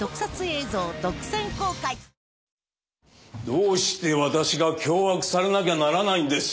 どうして私が脅迫されなきゃならないんです！